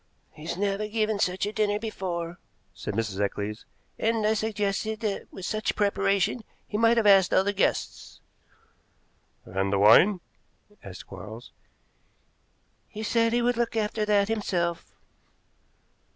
"He's never given such a dinner before," said Mrs. Eccles, "and I suggested that with such preparation he might have asked other guests." "And the wine?" asked Quarles. "He said he would look after that himself."